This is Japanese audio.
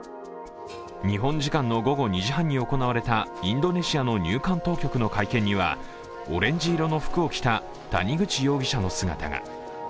日本時間の午後２時半に行われたインドネシアの入管当局の会見にはオレンジ色の服を着た谷口容疑者の姿が。